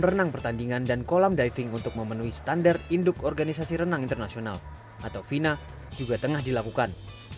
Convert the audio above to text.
dan renang pertandingan dan kolam diving untuk memenuhi standar induk organisasi renang internasional atau vina juga tengah dilakukan